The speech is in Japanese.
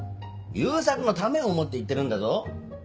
悠作のためを思って言ってるんだぞ。